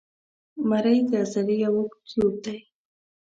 مرۍ د عضلې یو اوږد تیوب دی.